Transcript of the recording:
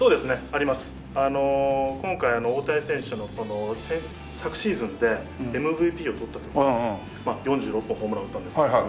あの今回大谷選手の昨シーズンでＭＶＰを取った時に４６本ホームランを打ったんですけれども。